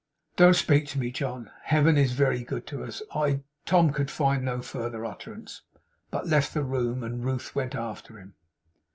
'Don't speak to me, John. Heaven is very good to us. I ' Tom could find no further utterance, but left the room; and Ruth went after him.